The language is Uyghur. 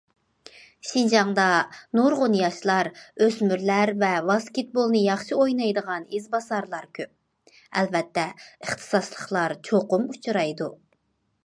شىنجاڭدا نۇرغۇن ياشلار، ئۆسمۈرلەر ۋە ۋاسكېتبولنى ياخشى ئوينايدىغان ئىزباسارلار كۆپ، ئەلۋەتتە ئىختىساسلىقلار چوقۇم ئۇچرايدۇ.